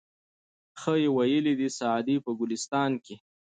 ښه ویلي دي سعدي په ګلستان کي